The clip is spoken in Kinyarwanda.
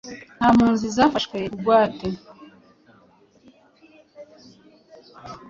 nta mpunzi zafashwe bugwate